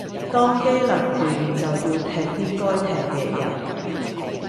當機立斷就要踢啲該踢嘅人